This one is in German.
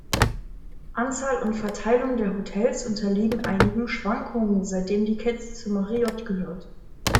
Anzahl und Verteilung der Hotels unterliegen einigen Schwankungen, seitdem die Kette zu Marriott gehört.